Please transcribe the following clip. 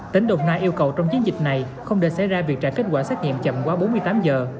tỉnh đồng nai yêu cầu trong chiến dịch này không để xảy ra việc trả kết quả xét nghiệm chậm qua bốn mươi tám giờ